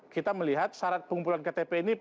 kita melihat syarat pengumpulan ktp ini